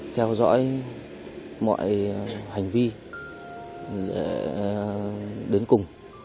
theo dõi mọi hành vi đến cùng